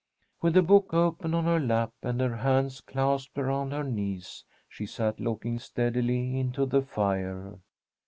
With the book open on her lap, and her hands clasped around her knees, she sat looking steadily into the fire.